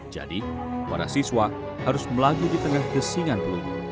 jadi para siswa harus melaju di tengah gesingan peluru